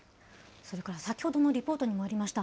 それから先ほどのリポートにもありました、